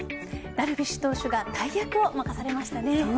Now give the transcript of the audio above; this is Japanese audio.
ダルビッシュ投手が大役を任されましたね。